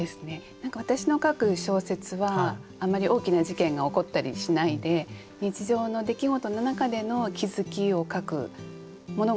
何か私の書く小説はあんまり大きな事件が起こったりしないで日常の出来事の中での気付きを書くものが多いんですね。